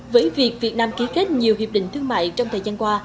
với việc việt nam ký kết nhiều hiệp định thương mại trong thời gian qua